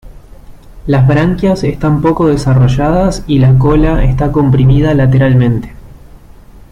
Las branquias están poco desarrolladas y la cola está comprimida lateralmente.